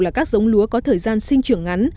là các giống lúa có thời gian sinh trưởng ngắn